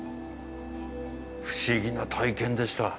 不思議な体験でした。